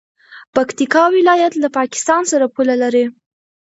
پکتیکا ولایت له پاکستان سره پوله لري.